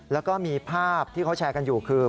แล้วก็มีภาพที่เขาแชร์กันอยู่คือ